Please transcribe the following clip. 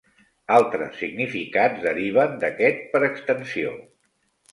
Altres significats deriven d'aquest per extensió.